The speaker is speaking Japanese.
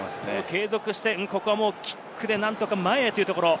継続してキックで何とか前へというところ。